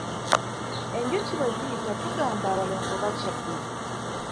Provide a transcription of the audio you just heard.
Enjuki bwe ziyita tugamba abalongo bakyadde.